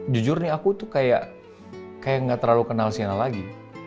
jujurnya aku tuh kayak kayak gak terlalu kenal sienna lagi